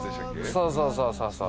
そうそうそうそうそう。